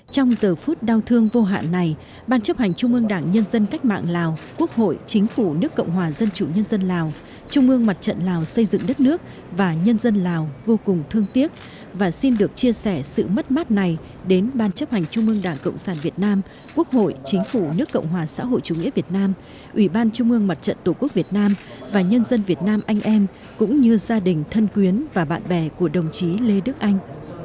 trong giờ phút đau thương vô hạn này ban chấp hành trung ương đảng nhân dân cách mạng lào quốc hội chính phủ nước cộng hòa dân chủ nhân dân lào trung ương mặt trận lào xây dựng đất nước và nhân dân lào vô cùng thương tiếc và xin được chia sẻ sự mất mát này đến ban chấp hành trung ương đảng cộng sản việt nam quốc hội chính phủ nước cộng hòa xã hội chủ nghĩa việt nam ủy ban trung ương mặt trận tổ quốc việt nam và nhân dân việt nam anh em cũng như gia đình thân quyến và bạn bè của đồng chí lê đức anh